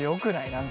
何か。